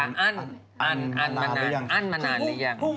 อ้านมานานหรือยัง